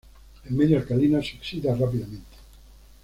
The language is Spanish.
En medio alcalino se oxida rápidamente.